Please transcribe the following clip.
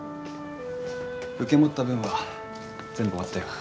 受け持った分は全部終わったよ。